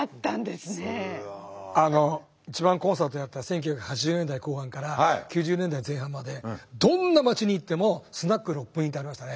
一番コンサートやった１９８０年代後半から９０年代前半までどんな町に行っても「スナック六本木」ってありましたね。